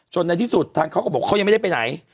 ในที่สุดทางเขาก็บอกเขายังไม่ได้ไปไหน